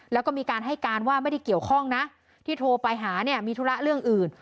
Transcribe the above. แล้วก็มีการให้การว่าไม่ได้เกี่ยวข้องนะที่โทรไปหาเนี่ยมีธุระเรื่องอื่น